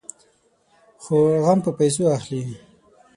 خو غم په پيسو اخلي.